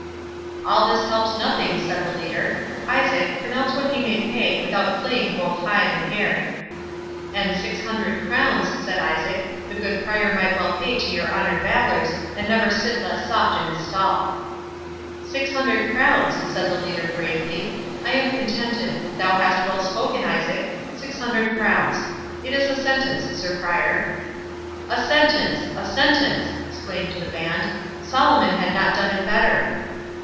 "All this helps nothing," said the leader.—"Isaac, pronounce what he may pay, without flaying both hide and hair." "An six hundred crowns," said Isaac, "the good Prior might well pay to your honoured valours, and never sit less soft in his stall." "Six hundred crowns," said the leader, gravely; "I am contented—thou hast well spoken, Isaac—six hundred crowns.—It is a sentence, Sir Prior." "A sentence!—a sentence!" exclaimed the band; "Solomon had not done it better."